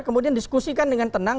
kemudian diskusikan dengan tenang